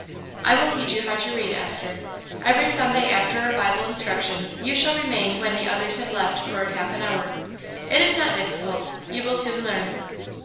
"I will teach you how to read, Esther. Every Sunday after our Bible instruction you shall remain when the others have left for half an hour. It is not difficult; you will soon learn."